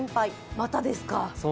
またですか。